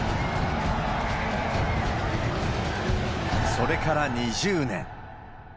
それから２０年。